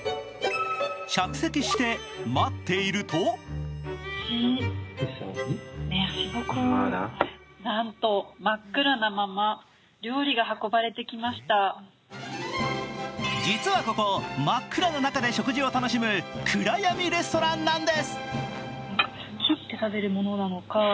着席して待っていると実はここ、真っ暗な中で食事を楽しむ暗闇レストランなんです。